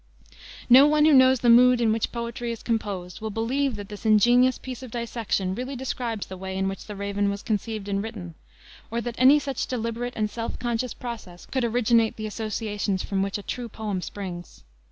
No one who knows the mood in which poetry is composed will believe that this ingenious piece of dissection really describes the way in which the Raven was conceived and written, or that any such deliberate and self conscious process could originate the associations from which a true poem springs.